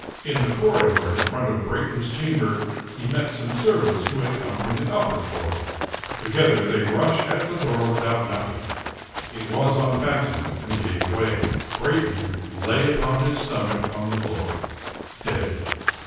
In the corridor, in front of Brayton's chamber, he met some servants who had come from the upper floor. Together they rushed at the door without knocking. It was unfastened, and gave way. Brayton lay upon his stom ach on the floor, dead.